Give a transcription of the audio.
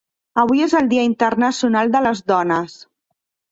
Avui és el dia internacional de les dones.